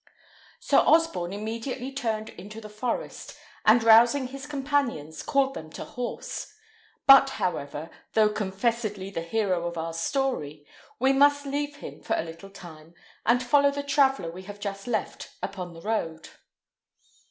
Sir Osborne immediately turned into the forest, and, rousing his companions, called them to horse; but, however, though confessedly the hero of our story, we must leave him for a little time and follow the traveller we have just left upon the road.